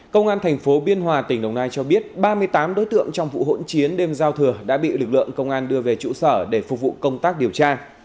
công an thành phố biên hòa tỉnh đồng nai cho biết ba mươi tám đối tượng trong vụ hỗn chiến đêm giao thừa đã bị lực lượng công an đưa về trụ sở để phục vụ công tác điều tra